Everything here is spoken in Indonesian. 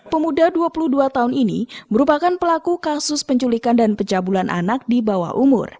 pemuda dua puluh dua tahun ini merupakan pelaku kasus penculikan dan pecabulan anak di bawah umur